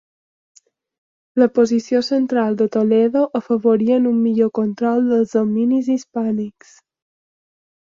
La posició central de Toledo afavorien un millor control dels dominis hispànics.